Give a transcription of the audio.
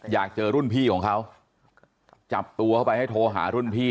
อยากเจอรุ่นพี่ของเขาจับตัวเข้าไปให้โทรหารุ่นพี่